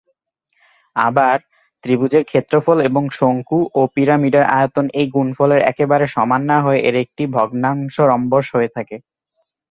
আবার, ত্রিভুজের ক্ষেত্রফল এবং শঙ্কু ও পিরামিডের আয়তন এই গুণফলের একেবারে সমান না হয়ে এর একটি ভগ্নম্বরশ হয়ে থাকে।